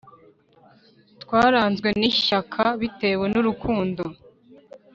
Twaranzwe n’ ishyaka bitewe n’ urukundo .